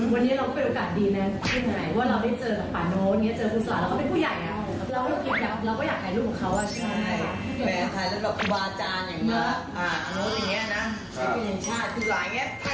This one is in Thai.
แม่คะวันนี้เรามันเป็นโอกาสดีเลย